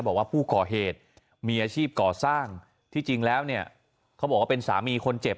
บอกว่าผู้ก่อเหตุมีอาชีพก่อสร้างที่จริงแล้วเนี่ยเขาบอกว่าเป็นสามีคนเจ็บ